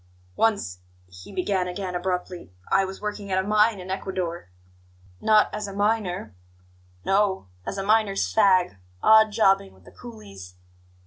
"Once," he began again abruptly, "I was working at a mine in Ecuador " "Not as a miner?" "No, as a miner's fag odd jobbing with the coolies.